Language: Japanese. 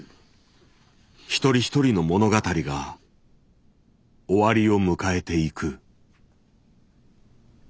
ひとりひとりの物語が終わりを迎えていく。